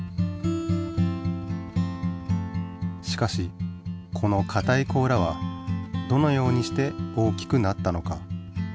しかしこのかたい甲羅はどのようにして大きくなったのか？